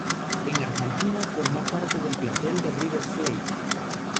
En Argentina, formó parte del plantel de River Plate.